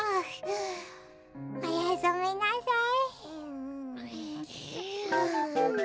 おやすみなさい。